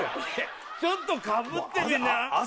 ちょっとかぶってみな。